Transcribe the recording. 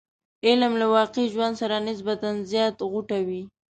علم له واقعي ژوند سره نسبتا زیات غوټه وي.